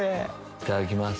いただきます。